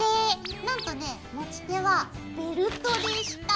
なんとね持ち手はベルトでした。